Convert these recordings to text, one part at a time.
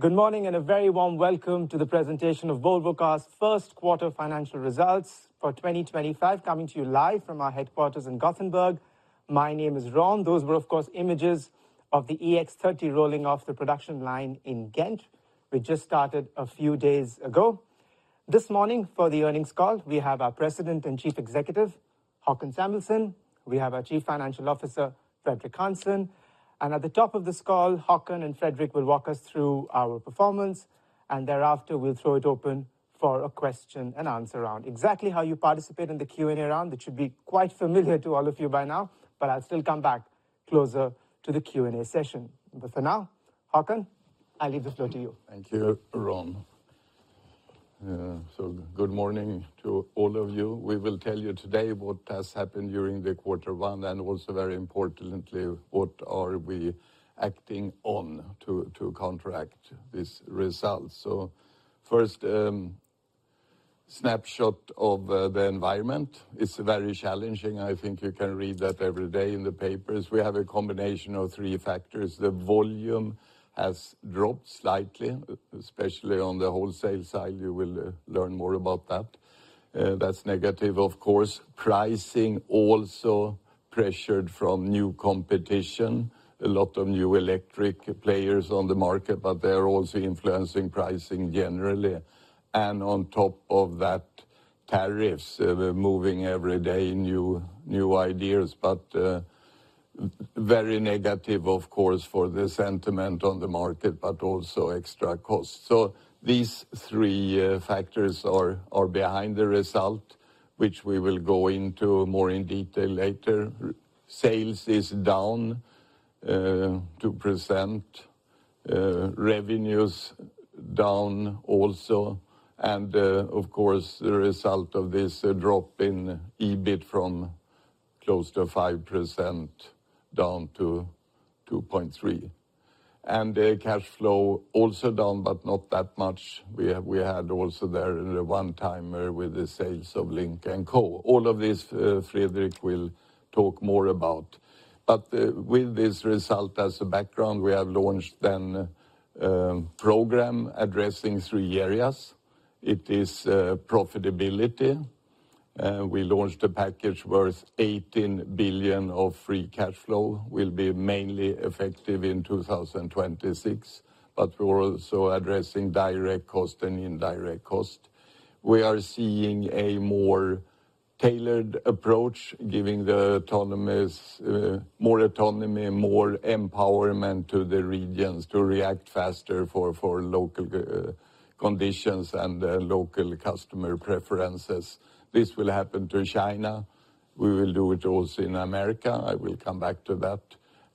Good morning and a very warm welcome to the presentation of Volvo Cars' first quarter financial results for 2025, coming to you live from our headquarters in Gothenburg. My name is Ron. Those were, of course, images of the EX30 rolling off the production line in Ghent, which just started a few days ago. This morning, for the earnings call, we have our President and Chief Executive, Håkan Samuelsson. We have our Chief Financial Officer, Fredrik Hansson. At the top of this call, Håkan and Fredrik will walk us through our performance. Thereafter, we'll throw it open for a question and answer round. Exactly how you participate in the Q&A round, it should be quite familiar to all of you by now, but I'll still come back closer to the Q&A session. For now, Håkan, I'll leave the floor to you. Thank you, Ron. Good morning to all of you. We will tell you today what has happened during quarter one and also, very importantly, what we are acting on to counteract these results. First, a snapshot of the environment. It is very challenging. I think you can read that every day in the papers. We have a combination of three factors. The volume has dropped slightly, especially on the wholesale side. You will learn more about that. That is negative, of course. Pricing also pressured from new competition. A lot of new electric players on the market, but they are also influencing pricing generally. On top of that, tariffs moving every day, new ideas. Very negative, of course, for the sentiment on the market, but also extra costs. These three factors are behind the result, which we will go into more in detail later. Sales is down 2%. Revenues down also. Of course, the result of this drop in EBIT from close to 5% down to 2.3%. Cash flow also down, but not that much. We had also there a one-timer with the sales of Lynk & Co. All of this, Fredrik will talk more about. With this result as a background, we have launched then a program addressing three areas. It is profitability. We launched a package worth 18 billion of free cash flow. It will be mainly effective in 2026, but we are also addressing direct cost and indirect cost. We are seeing a more tailored approach, giving the autonomous more autonomy, more empowerment to the regions to react faster for local conditions and local customer preferences. This will happen to China. We will do it also in America. I will come back to that.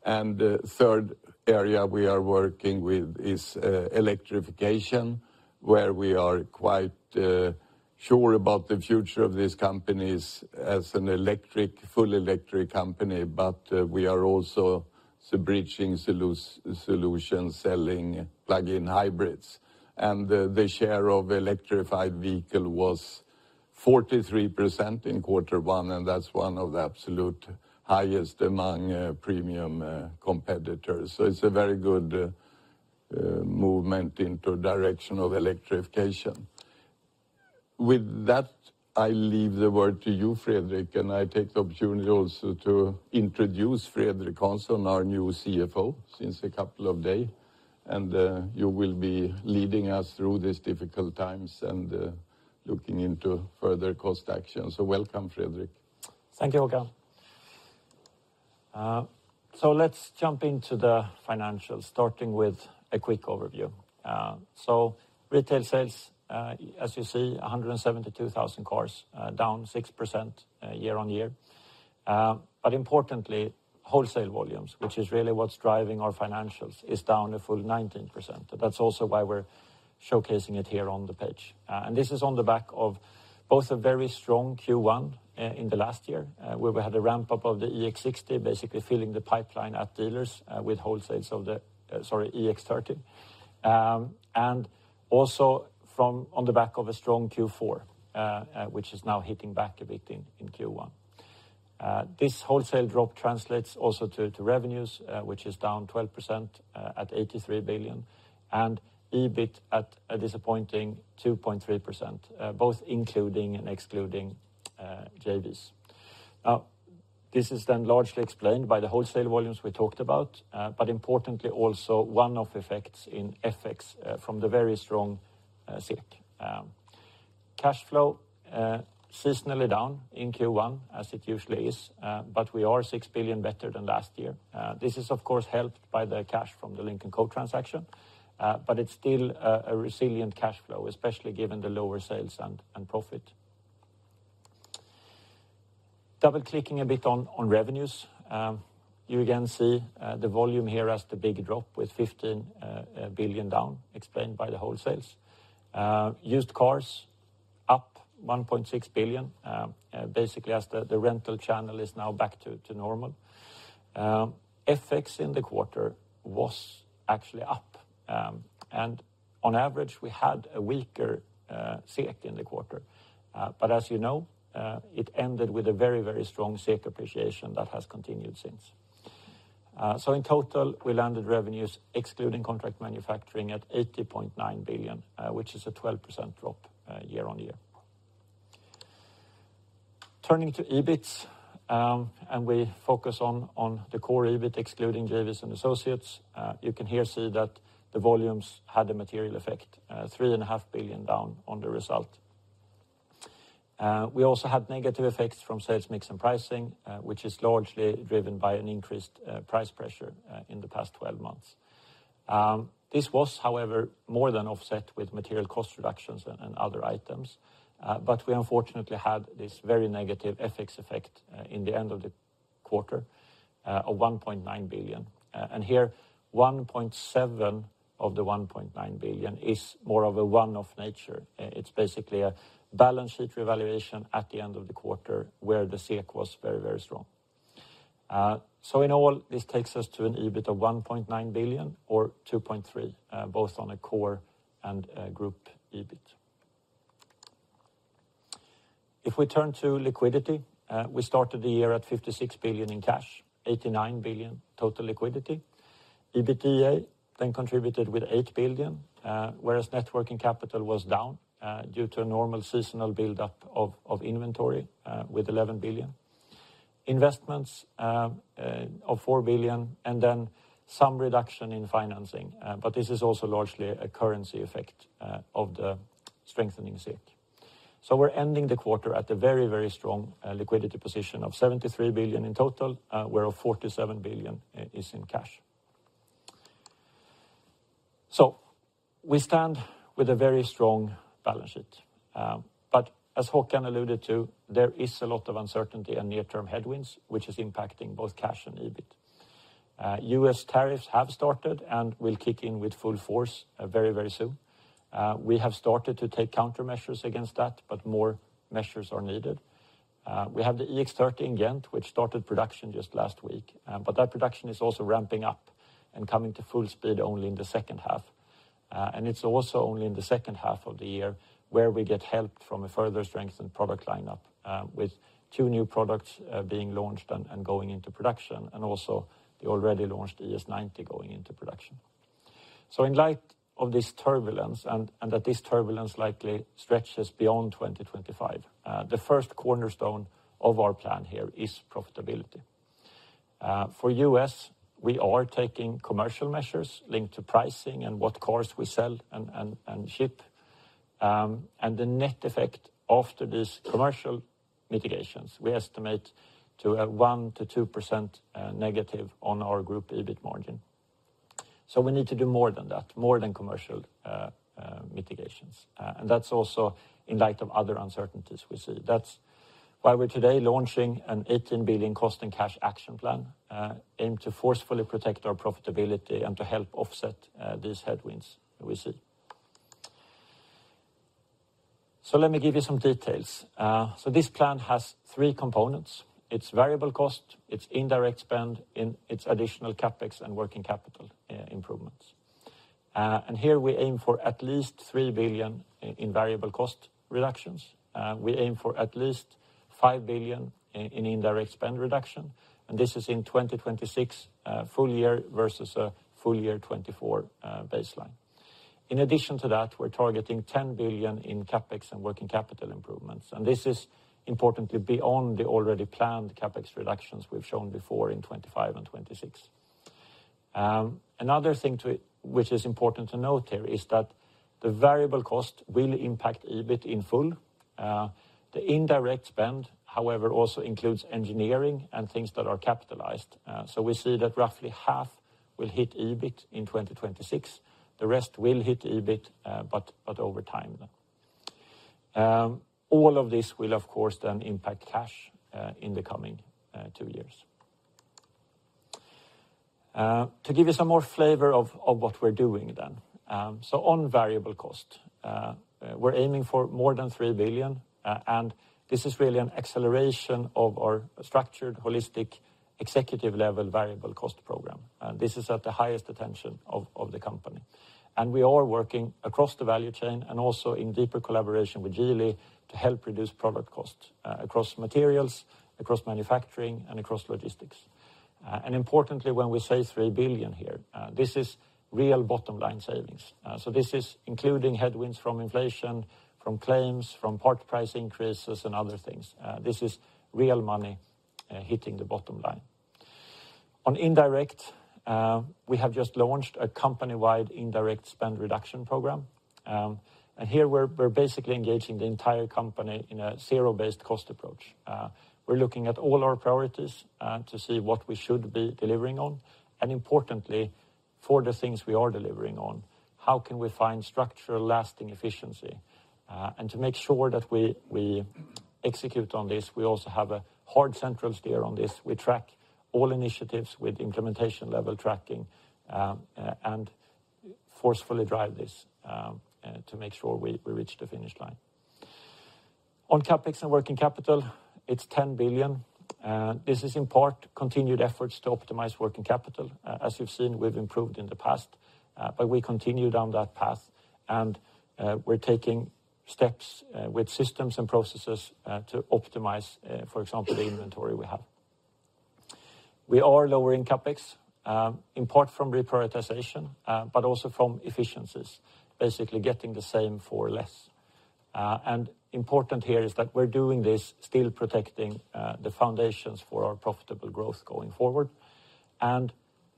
The third area we are working with is electrification, where we are quite sure about the future of these companies as an electric, full electric company. We are also bridging solutions, selling plug-in hybrids. The share of electrified vehicles was 43% in quarter one, and that's one of the absolute highest among premium competitors. It is a very good movement in the direction of electrification. With that, I leave the word to you, Fredrik, and I take the opportunity also to introduce Fredrik Hansson, our new CFO, since a couple of days. You will be leading us through these difficult times and looking into further cost actions. Welcome, Fredrik. Thank you, Håkan. Let's jump into the financials, starting with a quick overview. Retail sales, as you see, 172,000 cars, down 6% year on year. Importantly, wholesale volumes, which is really what's driving our financials, is down a full 19%. That is also why we're showcasing it here on the page. This is on the back of both a very strong Q1 in the last year, where we had a ramp-up of the EX30, basically filling the pipeline at dealers with wholesales of the EX30. Also from the back of a strong Q4, which is now hitting back a bit in Q1. This wholesale drop translates also to revenues, which is down 12% at 83 billion, and EBIT at a disappointing 2.3%, both including and excluding JVs. Now, this is then largely explained by the wholesale volumes we talked about, but importantly, also one of the effects in FX from the very strong CNY. Cash flow seasonally down in Q1, as it usually is, but we are 6 billion better than last year. This is, of course, helped by the cash from the Lynk & Co transaction, but it's still a resilient cash flow, especially given the lower sales and profit. Double-clicking a bit on revenues, you again see the volume here as the big drop with 15 billion down, explained by the wholesales. Used cars up 1.6 billion, basically as the rental channel is now back to normal. FX in the quarter was actually up. On average, we had a weaker CNY in the quarter. As you know, it ended with a very, very strong CNY appreciation that has continued since. In total, we landed revenues, excluding contract manufacturing, at 80.9 billion, which is a 12% drop year on year. Turning to EBIT, and we focus on the core EBIT, excluding JVs and associates, you can here see that the volumes had a material effect, 3.5 billion down on the result. We also had negative effects from sales mix and pricing, which is largely driven by an increased price pressure in the past 12 months. This was, however, more than offset with material cost reductions and other items. We, unfortunately, had this very negative FX effect in the end of the quarter of 1.9 billion. Here, 1.7 billion of the 1.9 billion is more of a one-off nature. It is basically a balance sheet revaluation at the end of the quarter where the CNY was very, very strong. In all, this takes us to an EBIT of 1.9 billion or 2.3 billion, both on a core and group EBIT. If we turn to liquidity, we started the year at 56 billion in cash, 89 billion total liquidity. EBITDA then contributed with 8 billion, whereas net working capital was down due to a normal seasonal build-up of inventory with 11 billion. Investments of 4 billion and then some reduction in financing. This is also largely a currency effect of the strengthening CNY. We are ending the quarter at a very, very strong liquidity position of 73 billion in total, where 47 billion is in cash. We stand with a very strong balance sheet. As Håkan alluded to, there is a lot of uncertainty and near-term headwinds, which is impacting both cash and EBIT. US tariffs have started and will kick in with full force very, very soon. We have started to take countermeasures against that, but more measures are needed. We have the EX30 in Ghent, which started production just last week. That production is also ramping up and coming to full speed only in the second half. It is also only in the second half of the year where we get help from a further strengthened product lineup, with two new products being launched and going into production, and also the already launched ES90 going into production. In light of this turbulence, and that this turbulence likely stretches beyond 2025, the first cornerstone of our plan here is profitability. For US, we are taking commercial measures linked to pricing and what cars we sell and ship. The net effect after these commercial mitigations, we estimate to a 1%-2% negative on our group EBIT margin. We need to do more than that, more than commercial mitigations. That is also in light of other uncertainties we see. That is why we are today launching an 18 billion cost and cash action plan aimed to forcefully protect our profitability and to help offset these headwinds we see. Let me give you some details. This plan has three components. It is variable cost, it is indirect spend, and it is additional CapEx and working capital improvements. Here we aim for at least 3 billion in variable cost reductions. We aim for at least 5 billion in indirect spend reduction. This is in 2026 full year versus a full year 2024 baseline. In addition to that, we are targeting 10 billion in CapEx and working capital improvements. This is importantly beyond the already planned CapEx reductions we have shown before in 2025 and 2026. Another thing which is important to note here is that the variable cost will impact EBIT in full. The indirect spend, however, also includes engineering and things that are capitalized. We see that roughly half will hit EBIT in 2026. The rest will hit EBIT, but over time. All of this will, of course, then impact cash in the coming two years. To give you some more flavor of what we're doing then. On variable cost, we're aiming for more than 3 billion. This is really an acceleration of our structured, holistic executive-level variable cost program. This is at the highest attention of the company. We are working across the value chain and also in deeper collaboration with Geely to help reduce product costs across materials, across manufacturing, and across logistics. Importantly, when we say 3 billion here, this is real bottom-line savings. This is including headwinds from inflation, from claims, from part price increases, and other things. This is real money hitting the bottom line. On indirect, we have just launched a company-wide indirect spend reduction program. Here we're basically engaging the entire company in a zero-based cost approach. We're looking at all our priorities to see what we should be delivering on. Importantly, for the things we are delivering on, how can we find structural lasting efficiency? To make sure that we execute on this, we also have a hard central steer on this. We track all initiatives with implementation-level tracking and forcefully drive this to make sure we reach the finish line. On CapEx and working capital, it's 10 billion. This is in part continued efforts to optimize working capital. As you've seen, we've improved in the past, but we continue down that path. We're taking steps with systems and processes to optimize, for example, the inventory we have. We are lowering CapEx, in part from reprioritization, but also from efficiencies, basically getting the same for less. Important here is that we're doing this, still protecting the foundations for our profitable growth going forward.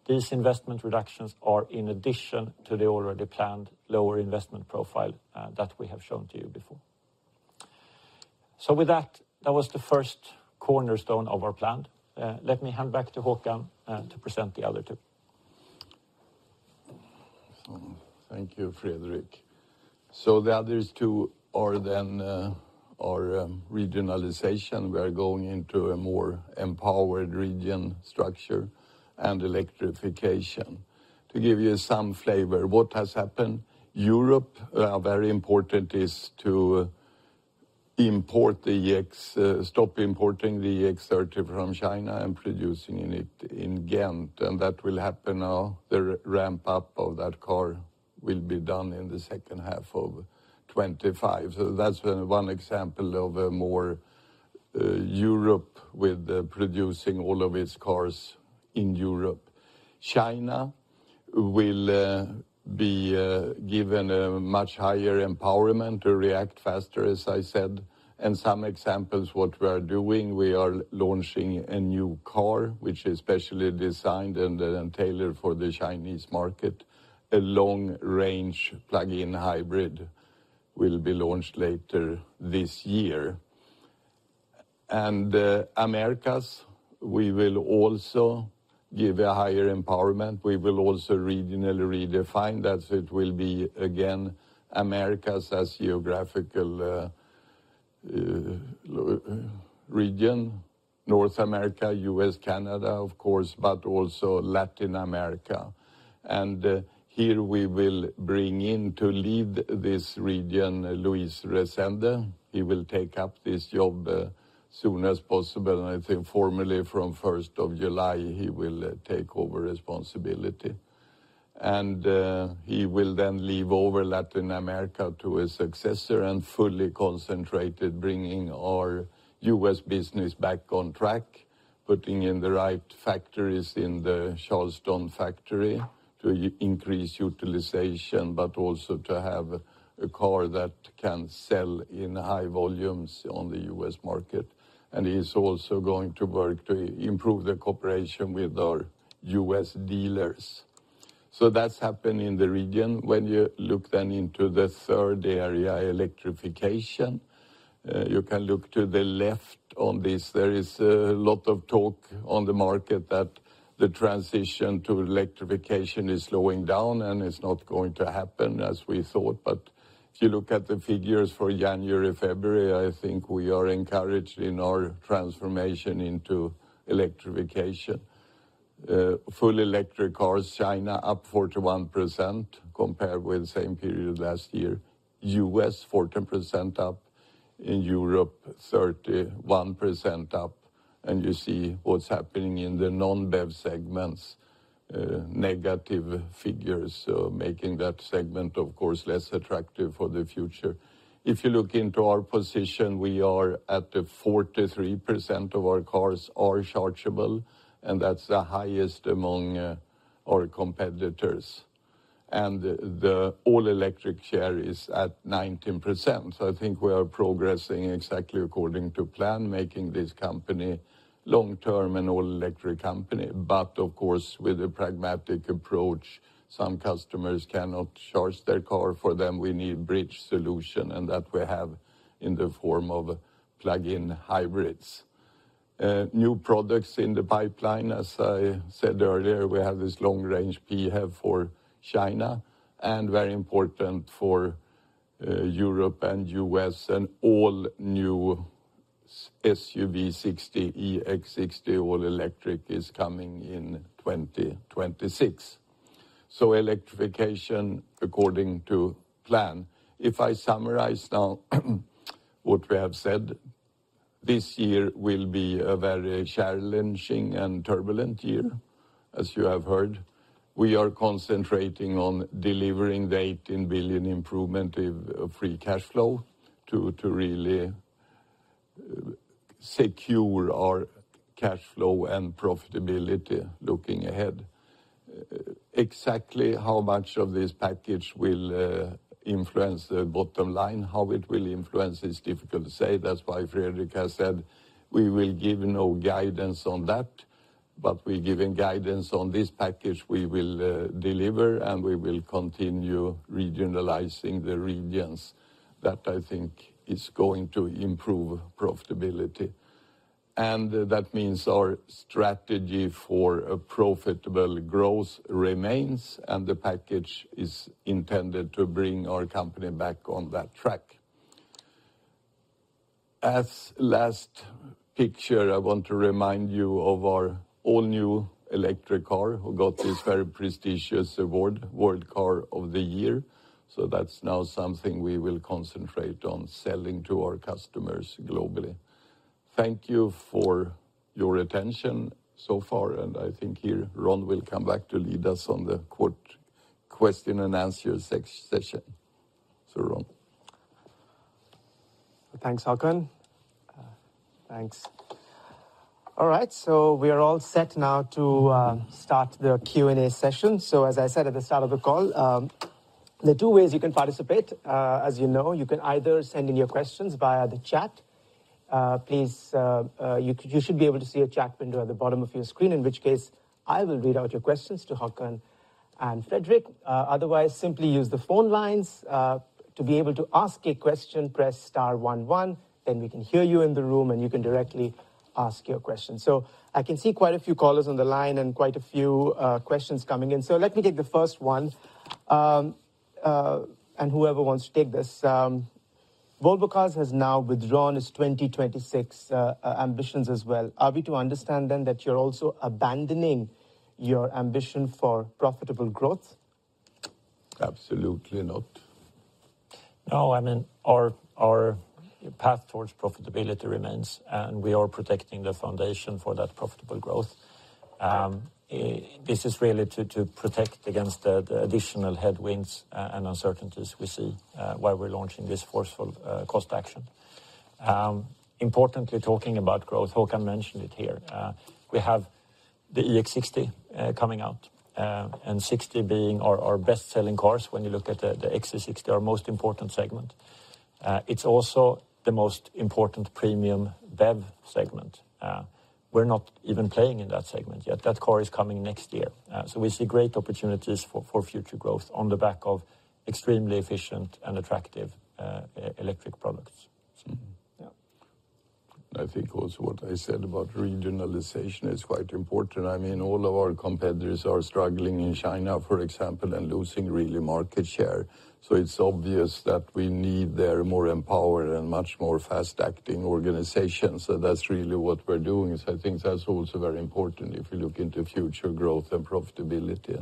These investment reductions are in addition to the already planned lower investment profile that we have shown to you before. That was the first cornerstone of our plan. Let me hand back to Håkan to present the other two. Thank you, Fredrik. The other two are then our regionalization. We are going into a more empowered region structure and electrification. To give you some flavor, what has happened, Europe, very important is to stop importing the EX30 from China and producing it in Ghent. That will happen now. The ramp-up of that car will be done in the second half of 2025. That is one example of more Europe with producing all of its cars in Europe. China will be given a much higher empowerment to react faster, as I said. Some examples of what we are doing, we are launching a new car, which is specially designed and tailored for the Chinese market. A long-range plug-in hybrid will be launched later this year. Americas, we will also give a higher empowerment. We will also regionally redefine. That will be again Americas as geographical region, North America, US, Canada, of course, but also Latin America. Here we will bring in to lead this region, Luis Resende. He will take up this job as soon as possible. I think formally from 1 July, he will take over responsibility. He will then leave over Latin America to his successor and fully concentrate on bringing our US business back on track, putting in the right factories in the Charleston factory to increase utilization, but also to have a car that can sell in high volumes on the US market. He is also going to work to improve the cooperation with our US dealers. That has happened in the region. When you look then into the third area, electrification, you can look to the left on this. There is a lot of talk on the market that the transition to electrification is slowing down and it's not going to happen as we thought. If you look at the figures for January, February, I think we are encouraged in our transformation into electrification. Fully electric cars, China up 41% compared with the same period last year. US 14% up, in Europe, 31% up. You see what's happening in the non-BEV segments, negative figures, making that segment, of course, less attractive for the future. If you look into our position, we are at 43% of our cars are chargeable, and that's the highest among our competitors. The all-electric share is at 19%. I think we are progressing exactly according to plan, making this company long-term an all-electric company. Of course, with a pragmatic approach, some customers cannot charge their car for them. We need a bridge solution, and that we have in the form of plug-in hybrids. New products in the pipeline, as I said earlier, we have this long-range PHEV for China and very important for Europe and US, and all new SUV 60, EX60, all-electric is coming in 2026. Electrification according to plan. If I summarize now what we have said, this year will be a very challenging and turbulent year, as you have heard. We are concentrating on delivering the 18 billion improvement of free cash flow to really secure our cash flow and profitability looking ahead. Exactly how much of this package will influence the bottom line, how it will influence, is difficult to say. That is why Fredrik has said we will give no guidance on that, but we are giving guidance on this package we will deliver, and we will continue regionalizing the regions that I think is going to improve profitability. That means our strategy for a profitable growth remains, and the package is intended to bring our company back on that track. As last picture, I want to remind you of our all-new electric car who got this very prestigious award, World Car of the Year. That is now something we will concentrate on selling to our customers globally. Thank you for your attention so far. I think here Ron will come back to lead us on the question and answer session. So Ron. Thanks, Håkan. Thanks. All right. We are all set now to start the Q&A session. As I said at the start of the call, there are two ways you can participate. As you know, you can either send in your questions via the chat. Please, you should be able to see a chat window at the bottom of your screen, in which case I will read out your questions to Håkan and Fredrik. Otherwise, simply use the phone lines. To be able to ask a question, press star one one, then we can hear you in the room and you can directly ask your question. I can see quite a few callers on the line and quite a few questions coming in. Let me take the first one. Whoever wants to take this. Volvo Cars has now withdrawn its 2026 ambitions as well. Are we to understand then that you're also abandoning your ambition for profitable growth? Absolutely not. No, I mean, our path towards profitability remains, and we are protecting the foundation for that profitable growth. This is really to protect against the additional headwinds and uncertainties we see while we're launching this forceful cost action. Importantly, talking about growth, Håkan mentioned it here. We have the EX60 coming out, and 60 being our best-selling cars when you look at the XC60, our most important segment. It's also the most important premium BEV segment. We're not even playing in that segment yet. That car is coming next year. We see great opportunities for future growth on the back of extremely efficient and attractive electric products. Yeah. I think also what I said about regionalization is quite important. I mean, all of our competitors are struggling in China, for example, and losing really market share. It is obvious that we need their more empowered and much more fast-acting organizations. That is really what we are doing. I think that is also very important if you look into future growth and profitability.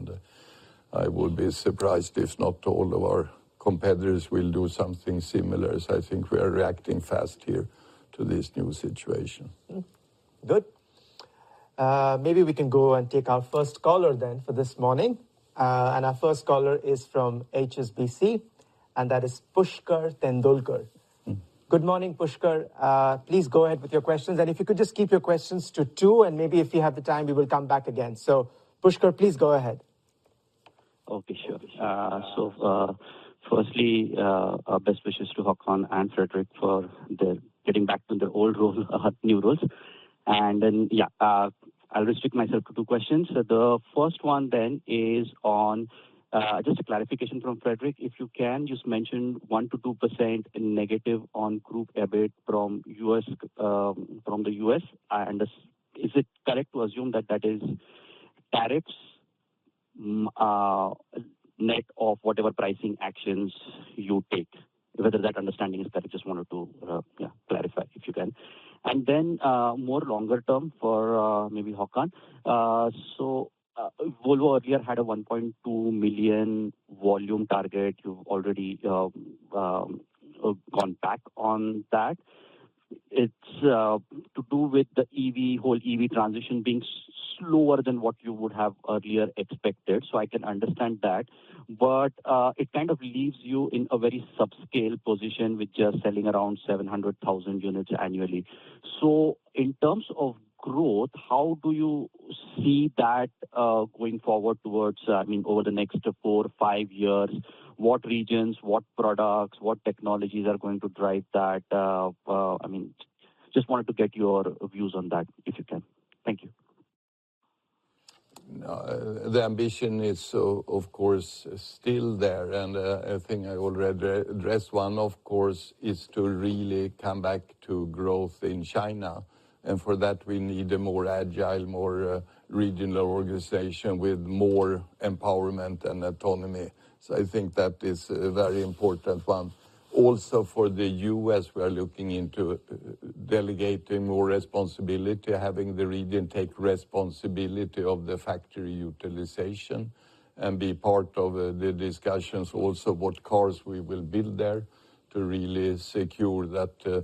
I would be surprised if not all of our competitors will do something similar. I think we are reacting fast here to this new situation. Good. Maybe we can go and take our first caller then for this morning. Our first caller is from HSBC, and that is Pushkar Tendolkar. Good morning, Pushkar. Please go ahead with your questions. If you could just keep your questions to two, and maybe if you have the time, we will come back again. Pushkar, please go ahead. Okay, sure. Firstly, best wishes to Håkan and Fredrik for getting back to the old rules, new rules. Yeah, I'll restrict myself to two questions. The first one is on just a clarification from Fredrik. If you can, just mention 1-2% negative on group EBIT from the US. Is it correct to assume that that is tariffs net of whatever pricing actions you take? Whether that understanding is correct, just wanted to clarify if you can. More longer term for maybe Håkan. Volvo earlier had a 1.2 million volume target. You've already gone back on that. It's to do with the whole EV transition being slower than what you would have earlier expected. I can understand that. It kind of leaves you in a very subscale position with just selling around 700,000 units annually. In terms of growth, how do you see that going forward towards, I mean, over the next four, five years? What regions, what products, what technologies are going to drive that? I mean, just wanted to get your views on that if you can. Thank you. The ambition is, of course, still there. I think I already addressed one, of course, is to really come back to growth in China. For that, we need a more agile, more regional organization with more empowerment and autonomy. I think that is a very important one. Also for the US, we are looking into delegating more responsibility, having the region take responsibility of the factory utilization and be part of the discussions also what cars we will build there to really secure that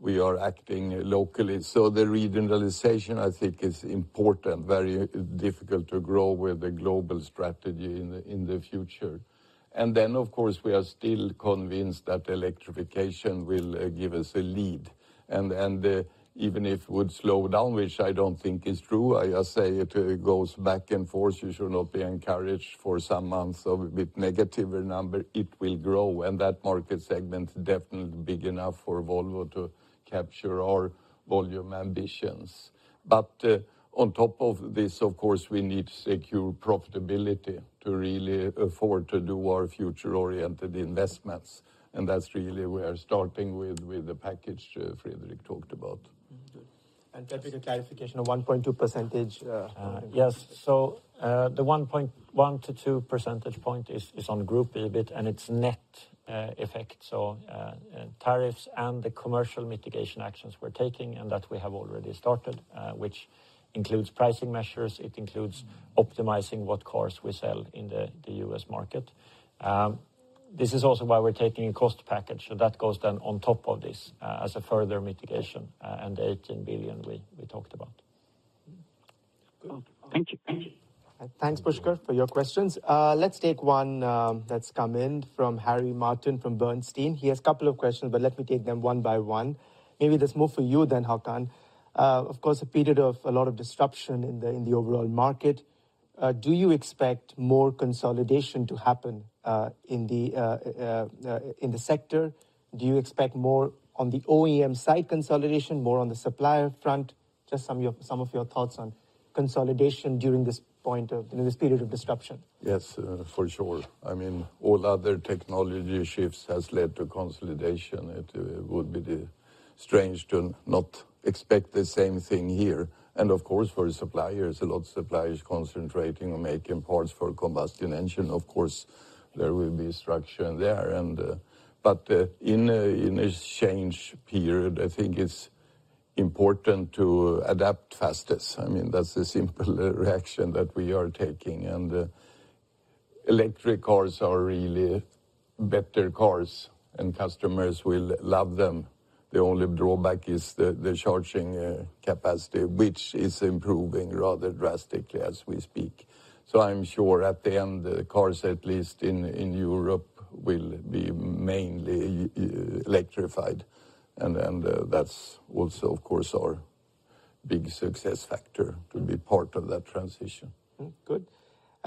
we are acting locally. The regionalization, I think, is important, very difficult to grow with the global strategy in the future. Of course, we are still convinced that electrification will give us a lead. Even if it would slow down, which I do not think is true, I say it goes back and forth. You should not be encouraged for some months of a bit negative number. It will grow. That market segment is definitely big enough for Volvo to capture our volume ambitions. On top of this, of course, we need to secure profitability to really afford to do our future-oriented investments. That is really where we are starting with the package Fredrik talked about. It's Fredrik, a clarification of 1.2%. Yes. The 1.1-2 percentage point is on group EBIT and its net effect. Tariffs and the commercial mitigation actions we are taking and that we have already started, which includes pricing measures. It includes optimizing what cars we sell in the US market. This is also why we are taking a cost package. That goes on top of this as a further mitigation and the 18 billion we talked about. Thank you. Thanks, Pushkar, for your questions. Let's take one that's come in from Harry Martin from Bernstein. He has a couple of questions, but let me take them one by one. Maybe let's move for you then, Håkan. Of course, a period of a lot of disruption in the overall market. Do you expect more consolidation to happen in the sector? Do you expect more on the OEM side consolidation, more on the supplier front? Just some of your thoughts on consolidation during this point of this period of disruption. Yes, for sure. I mean, all other technology shifts have led to consolidation. It would be strange to not expect the same thing here. Of course, for suppliers, a lot of suppliers concentrating on making parts for combustion engine. Of course, there will be structure there. In this change period, I think it's important to adapt fastest. I mean, that's the simple reaction that we are taking. Electric cars are really better cars, and customers will love them. The only drawback is the charging capacity, which is improving rather drastically as we speak. I'm sure at the end, the cars, at least in Europe, will be mainly electrified. That's also, of course, our big success factor to be part of that transition. Good.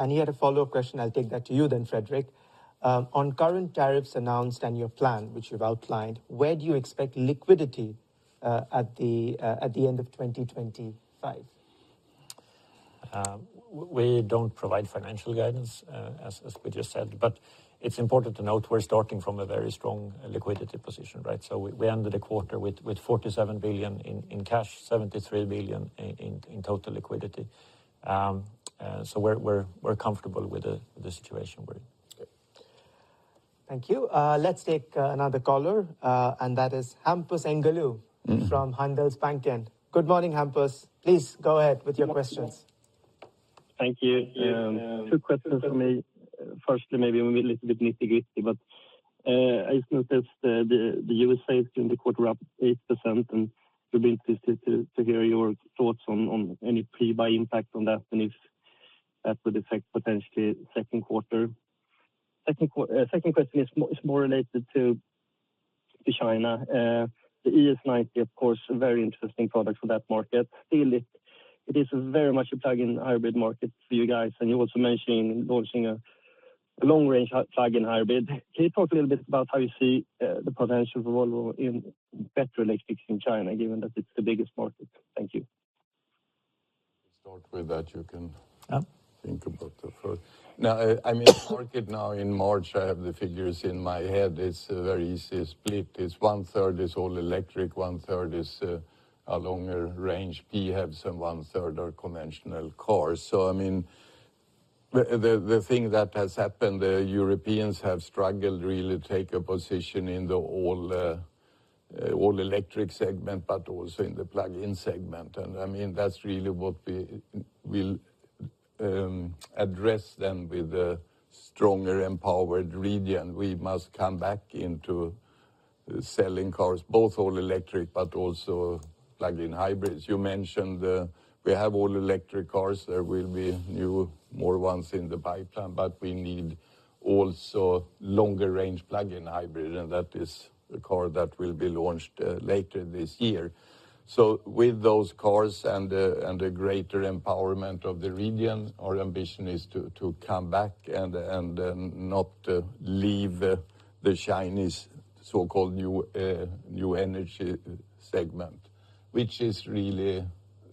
He had a follow-up question. I'll take that to you then, Fredrik. On current tariffs announced and your plan, which you've outlined, where do you expect liquidity at the end of 2025? We do not provide financial guidance, as we just said, but it is important to note we are starting from a very strong liquidity position, right? We ended the quarter with 47 billion in cash, 73 billion in total liquidity. We are comfortable with the situation we are in. Thank you. Let's take another caller, and that is Hampus Engellau from Handelsbanken. Good morning, Hampus. Please go ahead with your questions. Thank you. Two questions for me. Firstly, maybe a little bit nitty-gritty, but I just noticed the US is doing the quarter up 8%, and we're interested to hear your thoughts on any pre-buy impact on that and if that would affect potentially second quarter. Second question is more related to China. The ES90, of course, is a very interesting product for that market. Still, it is very much a plug-in hybrid market for you guys, and you also mentioned launching a long-range plug-in hybrid. Can you talk a little bit about how you see the potential for Volvo in better electric in China, given that it's the biggest market? Thank you. We'll start with that. You can think about that first. Now, I mean, market now in March, I have the figures in my head. It's a very easy split. It's one-third is all electric, one-third is a longer range. PHEV some one-third are conventional cars. I mean, the thing that has happened, the Europeans have struggled really to take a position in the all-electric segment, but also in the plug-in segment. I mean, that's really what we will address then with a stronger empowered region. We must come back into selling cars, both all-electric, but also plug-in hybrids. You mentioned we have all-electric cars. There will be new, more ones in the pipeline, but we need also longer-range plug-in hybrid, and that is a car that will be launched later this year. With those cars and the greater empowerment of the region, our ambition is to come back and not leave the Chinese so-called new energy segment, which is really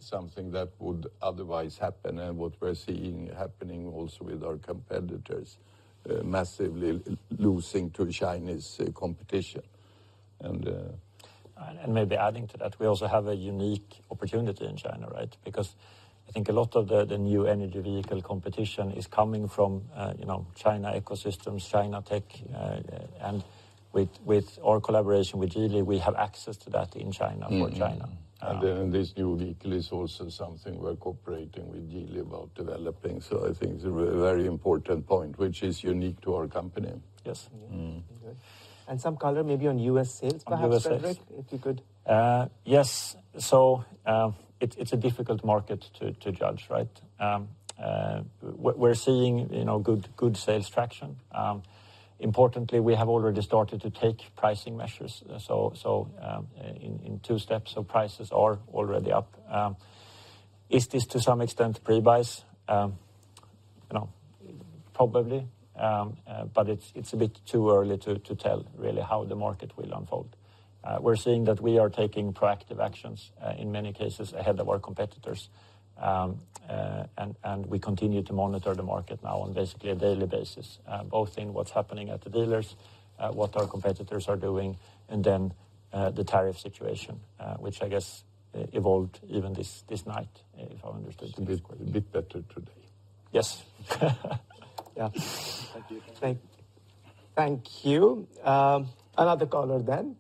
something that would otherwise happen and what we're seeing happening also with our competitors massively losing to Chinese competition. Maybe adding to that, we also have a unique opportunity in China, right? I think a lot of the new energy vehicle competition is coming from China ecosystems, China tech. With our collaboration with Geely, we have access to that in China for China. This new vehicle is also something we're cooperating with Geely about developing. I think it's a very important point, which is unique to our company. Yes. Some color maybe on US sales, perhaps, Fredrik, if you could. Yes. It is a difficult market to judge, right? We are seeing good sales traction. Importantly, we have already started to take pricing measures. In two steps, prices are already up. Is this to some extent pre-buys? Probably. It is a bit too early to tell really how the market will unfold. We are seeing that we are taking proactive actions in many cases ahead of our competitors. We continue to monitor the market now on basically a daily basis, both in what is happening at the dealers, what our competitors are doing, and then the tariff situation, which I guess evolved even this night, if I understood. A bit better today. Yes. Yeah. Thank you. Thank you. Another caller then.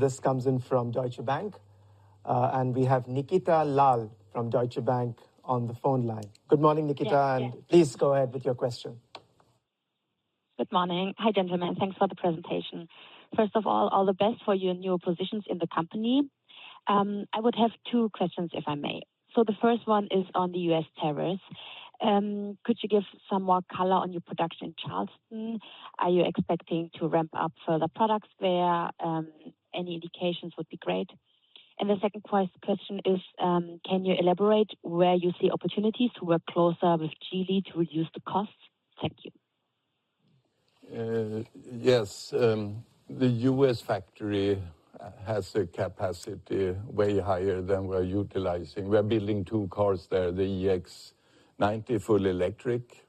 This comes in from Deutsche Bank. We have Nikita Lal from Deutsche Bank on the phone line. Good morning, Nikita, and please go ahead with your question. Good morning. Hi, gentlemen. Thanks for the presentation. First of all, all the best for you and your positions in the company. I would have two questions, if I may. The first one is on the US tariffs. Could you give some more color on your production in Charleston? Are you expecting to ramp up further products there? Any indications would be great. The second question is, can you elaborate where you see opportunities to work closer with Geely to reduce the costs? Thank you. Yes. The US factory has a capacity way higher than we're utilizing. We're building two cars there, the EX90, full electric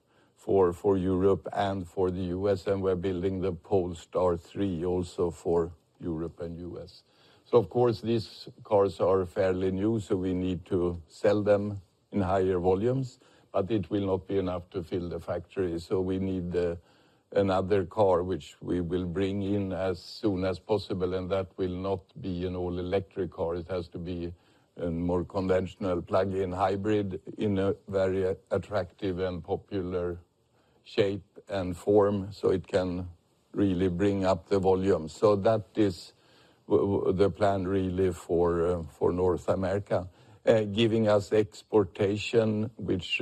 for Europe and for the US. We're building the Polestar 3 also for Europe and US. These cars are fairly new, so we need to sell them in higher volumes, but it will not be enough to fill the factory. We need another car, which we will bring in as soon as possible, and that will not be an all-electric car. It has to be a more conventional plug-in hybrid in a very attractive and popular shape and form so it can really bring up the volume. That is the plan really for North America, giving us exportation, which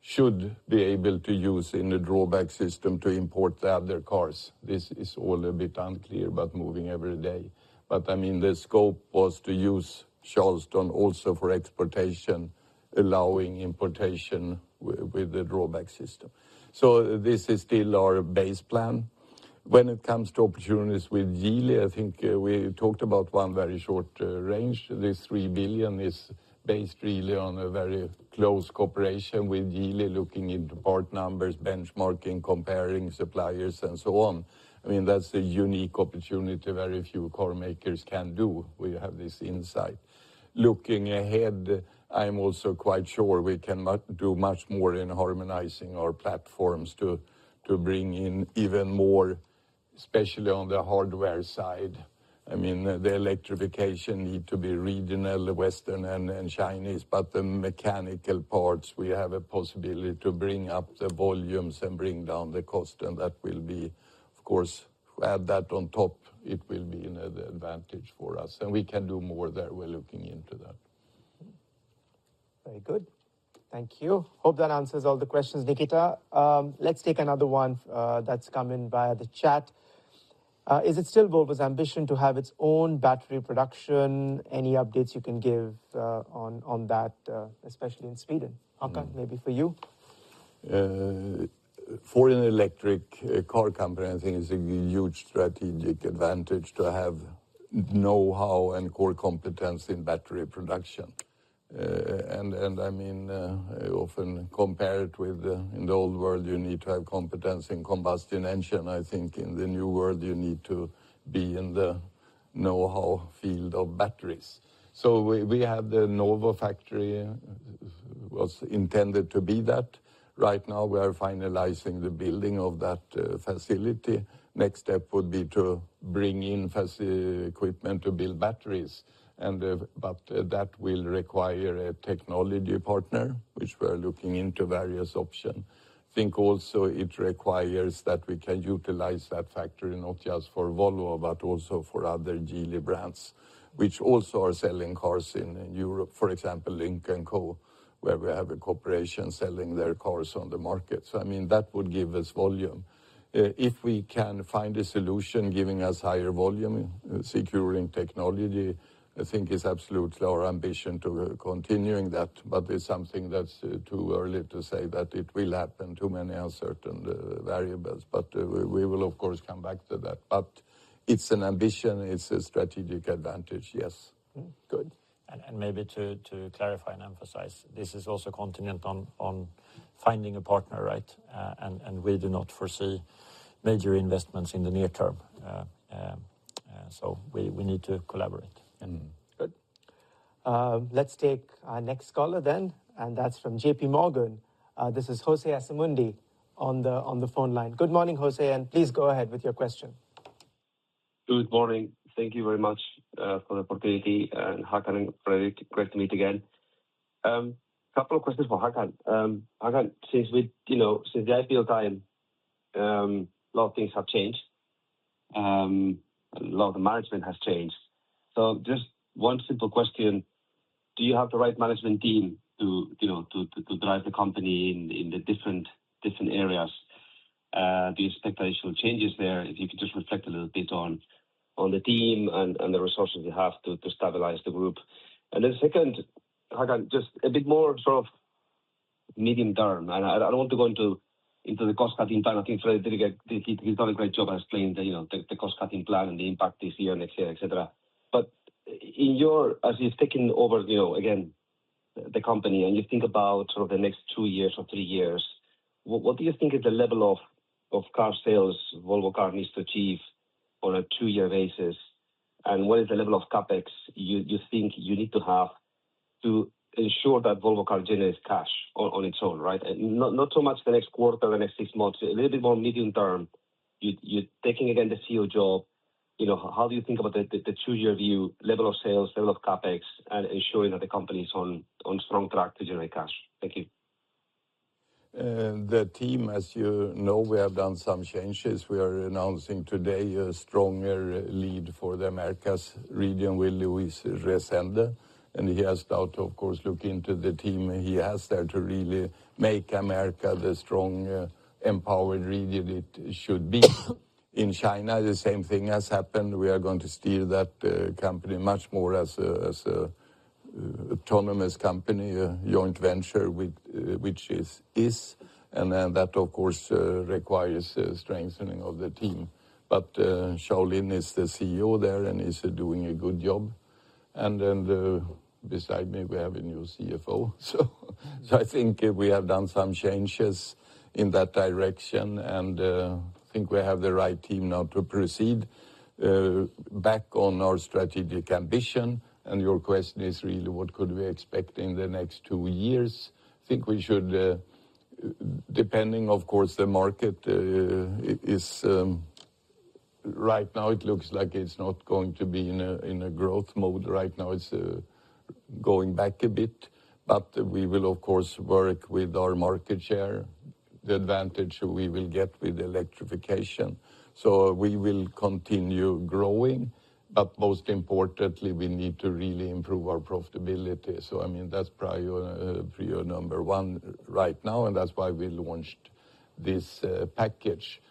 should be able to use in the drawback system to import the other cars. This is all a bit unclear, but moving every day. I mean, the scope was to use Charleston also for exportation, allowing importation with the drawback system. This is still our base plan. When it comes to opportunities with Geely, I think we talked about one very short range. This $3 billion is based really on a very close cooperation with Geely, looking into part numbers, benchmarking, comparing suppliers, and so on. I mean, that's a unique opportunity very few carmakers can do. We have this insight. Looking ahead, I'm also quite sure we can do much more in harmonizing our platforms to bring in even more, especially on the hardware side. I mean, the electrification needs to be regional, Western, and Chinese, but the mechanical parts, we have a possibility to bring up the volumes and bring down the cost. That will be, of course, add that on top, it will be an advantage for us. We can do more there. We're looking into that. Very good. Thank you. Hope that answers all the questions, Nikita. Let's take another one that's come in via the chat. Is it still Volvo's ambition to have its own battery production? Any updates you can give on that, especially in Sweden? Håkan, maybe for you. For an electric car company, I think it's a huge strategic advantage to have know-how and core competence in battery production. I mean, I often compare it with in the old world, you need to have competence in combustion engine. I think in the new world, you need to be in the know-how field of batteries. We have the Novo factory was intended to be that. Right now, we are finalizing the building of that facility. Next step would be to bring in equipment to build batteries. That will require a technology partner, which we're looking into various options. I think also it requires that we can utilize that factory not just for Volvo, but also for other Geely brands, which also are selling cars in Europe, for example, Lynk & Co, where we have a corporation selling their cars on the market. I mean, that would give us volume. If we can find a solution giving us higher volume, securing technology, I think it's absolutely our ambition to continue that. It is something that's too early to say that it will happen, too many uncertain variables. We will, of course, come back to that. It is an ambition. It is a strategic advantage, yes. Good. Maybe to clarify and emphasize, this is also contingent on finding a partner, right? We do not foresee major investments in the near term. We need to collaborate. Good. Let's take our next caller, then, and that's from JPMorgan. This is José Asumendi on the phone line. Good morning, José, and please go ahead with your question. Good morning. Thank you very much for the opportunity. Håkan and Fredrik, great to meet again. A couple of questions for Håkan. Håkan, since the IPO time, a lot of things have changed. A lot of the management has changed. Just one simple question. Do you have the right management team to drive the company in the different areas? Do you expect additional changes there? If you could just reflect a little bit on the team and the resources you have to stabilize the group. Second, Håkan, just a bit more sort of medium term. I do not want to go into the cost-cutting plan. I think Fredrik did a great job explaining the cost-cutting plan and the impact this year, next year, etc. As you've taken over, again, the company, and you think about sort of the next two years or three years, what do you think is the level of car sales Volvo Car needs to achieve on a two-year basis? What is the level of CapEx you think you need to have to ensure that Volvo Car generates cash on its own, right? Not so much the next quarter, the next six months, a little bit more medium term. You're taking again the CEO job. How do you think about the two-year view, level of sales, level of CapEx, and ensuring that the company is on a strong track to generate cash? Thank you. The team, as you know, we have done some changes. We are announcing today a stronger lead for the Americas region with Luis Resende. He has now, of course, looked into the team he has there to really make America the strong, empowered region it should be. In China, the same thing has happened. We are going to steer that company much more as an autonomous company, a joint venture, which it is. That, of course, requires strengthening of the team. Xiaolin is the CEO there, and he's doing a good job. Beside me, we have a new CFO. I think we have done some changes in that direction, and I think we have the right team now to proceed back on our strategic ambition. Your question is really, what could we expect in the next two years? I think we should, depending, of course, the market is right now, it looks like it's not going to be in a growth mode right now. It's going back a bit. We will, of course, work with our market share, the advantage we will get with electrification. We will continue growing. Most importantly, we need to really improve our profitability. I mean, that's prior number one right now, and that's why we launched this package.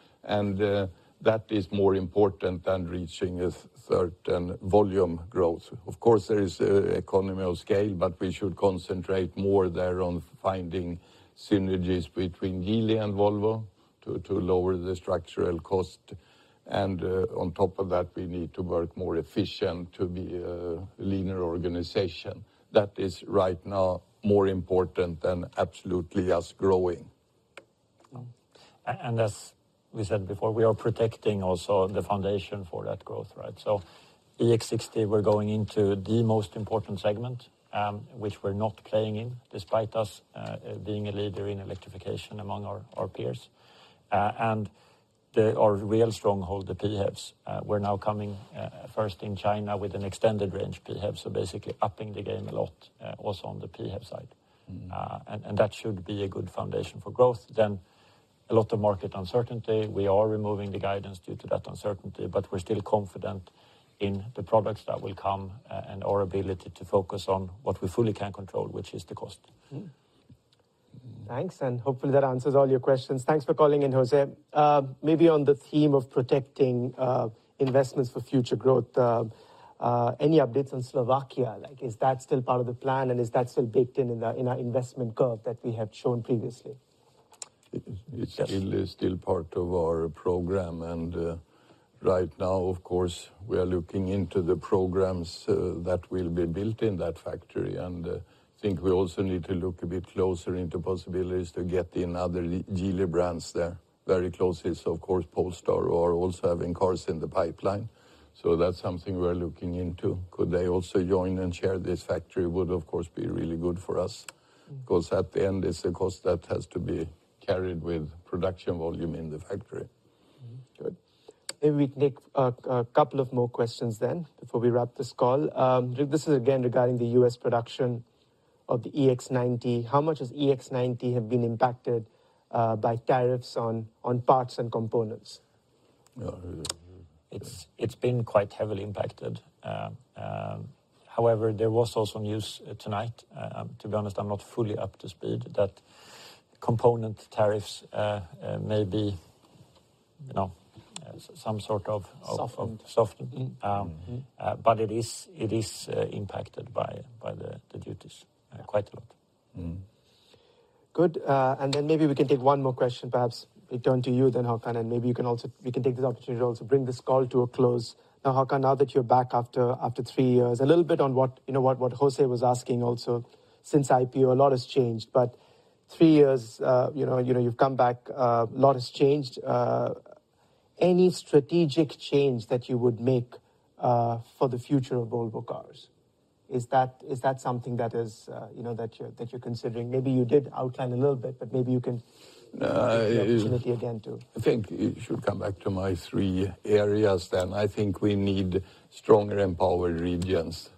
That is more important than reaching a certain volume growth. Of course, there is an economy of scale, but we should concentrate more there on finding synergies between Geely and Volvo to lower the structural cost. On top of that, we need to work more efficient to be a leaner organization. That is right now more important than absolutely us growing. As we said before, we are protecting also the foundation for that growth, right? EX60, we are going into the most important segment, which we are not playing in, despite us being a leader in electrification among our peers. Our real stronghold, the PHEVs, we are now coming first in China with an extended range PHEV, so basically upping the game a lot also on the PHEV side. That should be a good foundation for growth. A lot of market uncertainty remains. We are removing the guidance due to that uncertainty, but we are still confident in the products that will come and our ability to focus on what we fully can control, which is the cost. Thanks. Hopefully that answers all your questions. Thanks for calling in, José. Maybe on the theme of protecting investments for future growth, any updates on Slovakia? Is that still part of the plan, and is that still baked in in our investment curve that we have shown previously? It is still part of our program. Right now, of course, we are looking into the programs that will be built in that factory. I think we also need to look a bit closer into possibilities to get in other Geely brands there very closely. Of course, Polestar are also having cars in the pipeline. That is something we are looking into. Could they also join and share this factory would, of course, be really good for us because at the end, it is a cost that has to be carried with production volume in the factory. Good. Maybe we can take a couple of more questions then before we wrap this call. This is again regarding the US production of the EX90. How much has EX90 been impacted by tariffs on parts and components? It's been quite heavily impacted. However, there was also news tonight. To be honest, I'm not fully up to speed that component tariffs may be some sort of. Softened. Softened. It is impacted by the duties quite a lot. Good. Maybe we can take one more question, perhaps we turn to you then, Håkan, and maybe we can take this opportunity to also bring this call to a close. Now, Håkan, now that you're back after three years, a little bit on what José was asking also. Since IPO, a lot has changed. Three years, you've come back, a lot has changed. Any strategic change that you would make for the future of Volvo Cars? Is that something that you're considering? Maybe you did outline a little bit, but maybe you can mention it again too. I think you should come back to my three areas then. I think we need stronger empowered regions.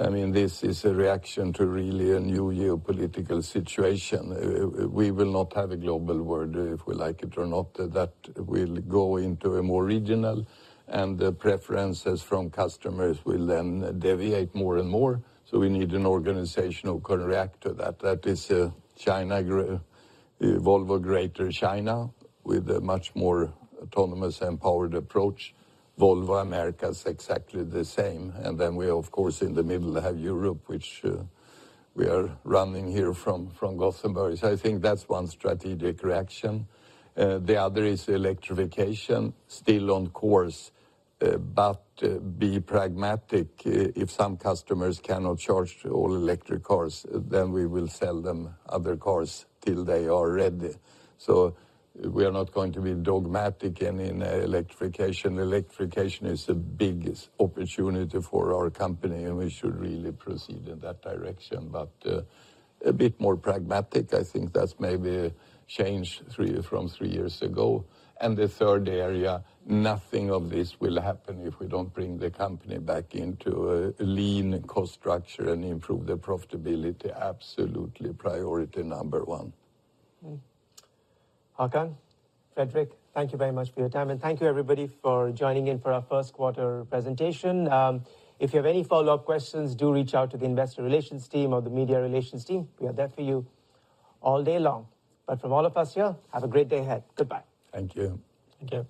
I mean, this is a reaction to really a new geopolitical situation. We will not have a global world, if we like it or not, that will go into a more regional. The preferences from customers will then deviate more and more. We need an organization who can react to that. That is a Volvo Greater China with a much more autonomous empowered approach. Volvo Americas exactly the same. We, of course, in the middle have Europe, which we are running here from Gothenburg. I think that's one strategic reaction. The other is electrification, still on course. Be pragmatic. If some customers cannot charge all electric cars, then we will sell them other cars till they are ready. We are not going to be dogmatic in electrification. Electrification is a big opportunity for our company, and we should really proceed in that direction. A bit more pragmatic, I think that's maybe a change from three years ago. The third area, nothing of this will happen if we do not bring the company back into a lean cost structure and improve the profitability. Absolutely priority number one. Håkan, Fredrik, thank you very much for your time. Thank you, everybody, for joining in for our first quarter presentation. If you have any follow-up questions, do reach out to the investor relations team or the media relations team. We are there for you all day long. From all of us here, have a great day ahead. Goodbye. Thank you. Thank you.